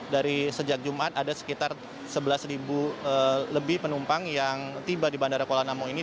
dari sejak jumat ada sekitar sebelas lebih penumpang yang tiba di bandara kuala namu ini